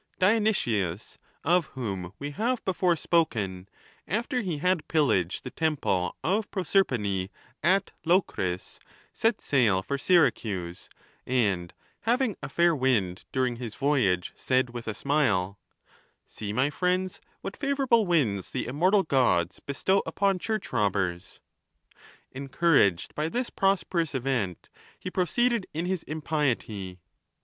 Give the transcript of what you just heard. Dionysius, of whom we have before spoken, after he had pillaged the temple of Proserpine at Locris, set sail for Syracuse, and, having a fair wind dur ing his voyage, said, vi'ith a smile, " See, my friends, what favorable winds the immortal Gods bestow upon church robbers." Encouraged by this prosperous event, he pro ceeded in his impiety.